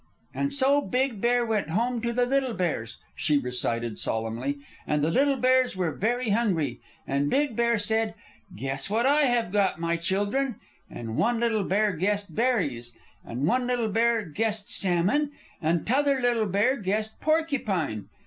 "And so Big Bear went home to the Little Bears," she recited, solemnly. "And the Little Bears were very hungry. And Big Bear said, 'Guess what I have got, my children.' And one Little Bear guessed berries, and one Little Bear guessed salmon, and t'other Little Bear guessed porcupine.